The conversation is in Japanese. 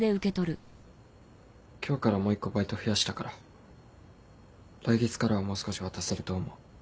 今日からもう一個バイト増やしたから来月からはもう少し渡せると思う。